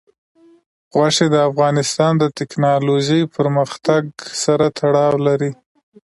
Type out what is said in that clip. غوښې د افغانستان د تکنالوژۍ پرمختګ سره تړاو لري.